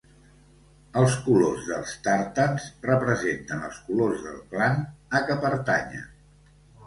Els colors dels tartans representen els colors del clan a què pertanyen.